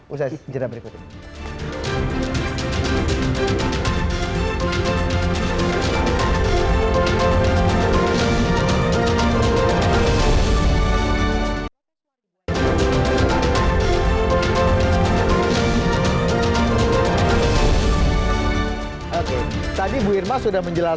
usai cina berikutnya